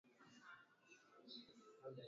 virusi vya ukimwi vinasababisha upungufu wa kinga